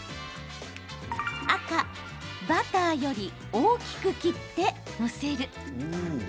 赤・バターより大きく切って載せる。